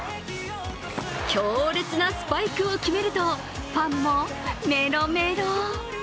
強烈なスパイクを決めるとファンもメロメロ。